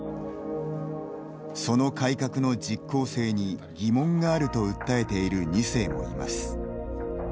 その改革の実効性に疑問があると訴えている２世もいます。